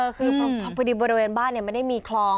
คือพอดีบริเวณบ้านไม่ได้มีคลอง